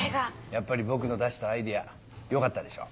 やっぱり僕の出したアイデアよかったでしょ。